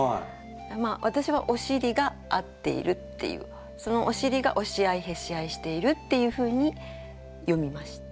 まあ私はおしりが合っているっていうそのおしりが押し合いへし合いしているっていうふうに読みました。